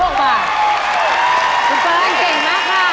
คุณเฟิร์นเก่งมากค่ะ